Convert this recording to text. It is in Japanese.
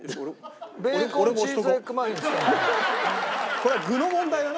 これは具の問題だな。